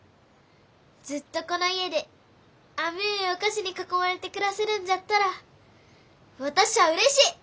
ずっとこの家で甘えお菓子に囲まれて暮らせるんじゃったら私ゃあうれしい！